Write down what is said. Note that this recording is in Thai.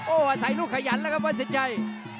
โอ้โหใส่ลูกขยันแล้วครับวัดสินชัย